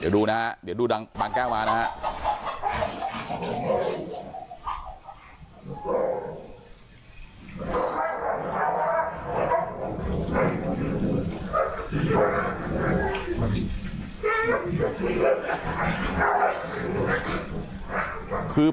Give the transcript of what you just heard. เดี๋ยวดูนะฮะเดี๋ยวดูบางแก้วมานะครับ